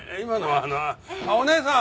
あっお姉さん！